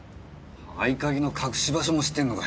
合い鍵の隠し場所も知ってんのかよ。